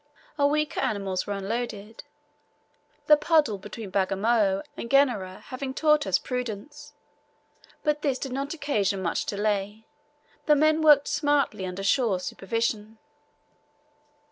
Our weaker animals were unloaded, the puddle between Bagamoyo and Genera having taught us prudence. But this did not occasion much delay; the men worked smartly under Shaw's supervision.